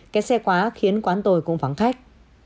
kẹt xe quá khiến quán tôi cũng vắng khách